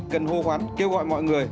cần hô hoán kêu gọi mọi người